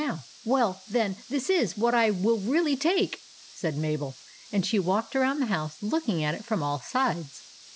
THE BROWNIE JELLY 197 "Well, then, this is what I will really take," said Mabel ; and she walked around the house looking at it from all sides.